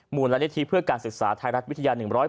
มูลนิธิเพื่อการศึกษาไทยรัฐวิทยา๑๐๑